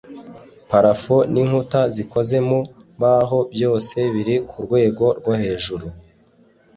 parafo n’inkuta zikoze mu mbaho byose biri ku rwego rwo hejuru